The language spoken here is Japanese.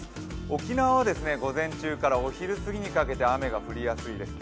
沖縄は午前中からお昼過ぎにかけて雨が降りやすいです。